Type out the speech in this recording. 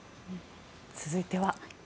続いては。